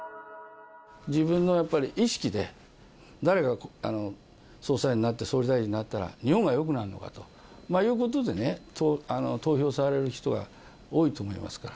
自分のやっぱり意識で、誰が総裁になって、総理大臣になったら日本がよくなるのかということでね、投票される人は多いと思いますから。